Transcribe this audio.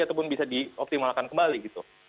ataupun bisa dioptimalkan kembali gitu